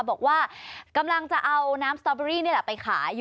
บอกว่ากำลังจะเอาน้ำสตอเบอรี่นี่แหละไปขาย